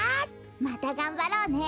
またがんばろうね。